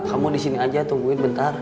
kamu di sini aja tungguin bentar